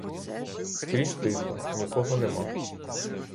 Скрізь тихо, нікого нема.